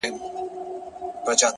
ښايي زما د مرگ لپاره څه خيال وهي!!